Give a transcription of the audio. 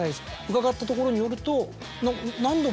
伺ったところによると。